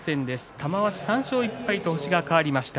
玉鷲３勝１敗と星が変わりました。